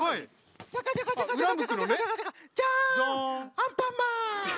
アンパンマン！